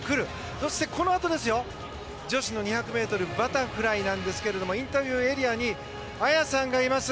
そして、このあとですよ。女子の２００ｍバタフライですがインタビューエリアに綾さんがいます。